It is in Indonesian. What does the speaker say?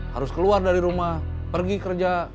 harus keluar dari rumah pergi kerja